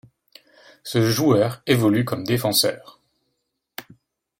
Ce joueur évolue comme défenseur.